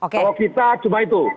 kalau kita cuma itu